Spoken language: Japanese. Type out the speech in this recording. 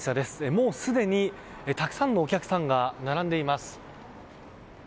もうすでにたくさんのお客さんが並んでいます。